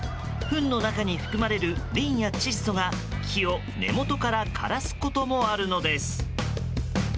フンの中に含まれるリンや窒素が木を根元から枯らすこともあるのです。